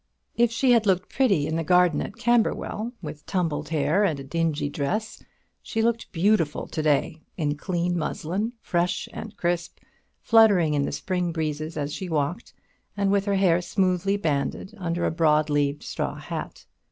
If she had looked pretty in the garden at Camberwell, with tumbled hair and a dingy dress, she looked beautiful to day, in clean muslin, fresh and crisp, fluttering in the spring breezes as she walked, and with her hair smoothly banded under a broad leaved straw hat.